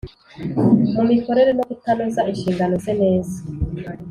mumikorere no kutanoza inshingano ze neza .